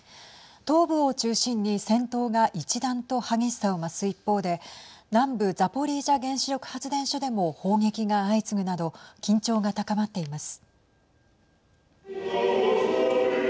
東部を中心に戦闘が一段と激しさを増す一方で南部ザポリージャ原子力発電所でも砲撃が相次ぐなど緊張が高まっています。